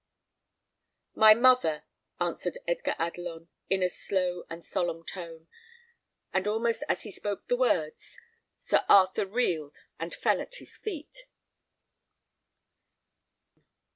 "My mother," answered Edgar Adelon, in a slow and solemn tone; and almost as he spoke the words, Sir Arthur reeled and fell at his feet.